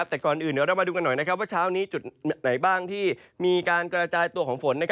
แต่ก่อนอื่นเดี๋ยวเรามาดูกันหน่อยว่าเช้านี้จุดไหนบ้างที่มีการกระจายตัวของฝน